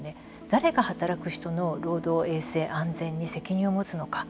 誰が働く人の労働・安全・衛生に責任を持つのか。